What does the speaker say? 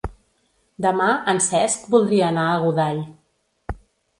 Demà en Cesc voldria anar a Godall.